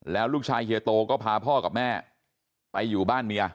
แล้วลูกชายเฮียโตก็พาพ่อกับแม่ไปอยู่บ้านเมีย